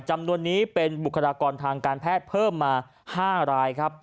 จำนวนนี้เป็นบุคลากรทางการแพทย์เพิ่มมา๕รายครับ